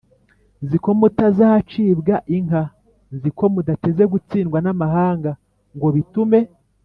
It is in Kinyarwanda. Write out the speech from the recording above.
nzi ko mutazacibwa inka: nzi ko mudateze gutsindwa n’amahanga ngo bitume